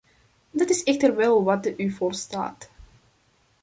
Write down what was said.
Dat is echter wel wat u voorstaat.